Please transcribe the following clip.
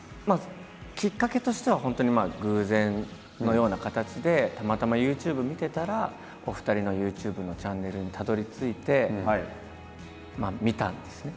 きっかけとしては本当に偶然のような形でたまたまＹｏｕＴｕｂｅ見てたらお二人のＹｏｕＴｕｂｅのチャンネルにたどりついて見たんですね。